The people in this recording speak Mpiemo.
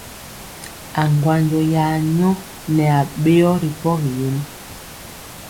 Aŋgwanjɔ ya nyɔ nɛ aɓeyɔ ri pɔgi yen.